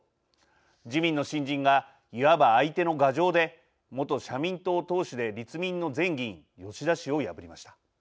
自民の新人がいわば相手の牙城で元社民党党首で立民の前議員吉田氏を破りました。